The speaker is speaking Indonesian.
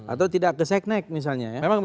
atau tidak ke seknek misalnya ya